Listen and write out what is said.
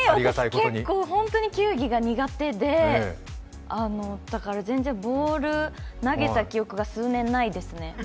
ひぇ、私、ホントに球技が苦手でだから全然、ボール投げた記憶が数年ないですね。